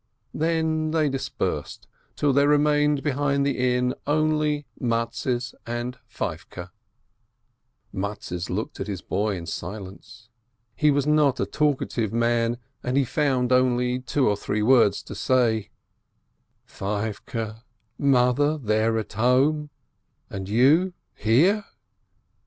Then they dispersed, till there remained behind the inn only Mattes and Feivke. Mat tes looked at his boy in silence. He was not a talk ative man, and he found only two or three words to say: "Feivke, Mother there at home — and you — here?"